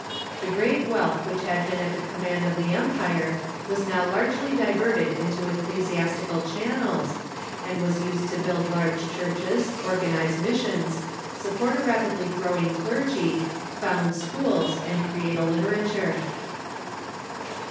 The great 102 THE EARLY CHURCH wealth which had been at the command of the empire was now largely diverted into ecclesiastical channels, and was used to build large churches, organize missions, support a rapidly growing clergy, found schools, and create a literature.